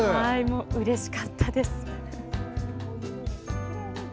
うれしかったです！